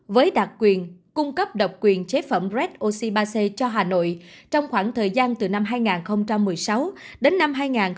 với đặc quyền cung cấp độc quyền chế phẩm red oxy ba c cho hà nội trong khoảng thời gian từ năm hai nghìn một mươi sáu đến năm hai nghìn một mươi bảy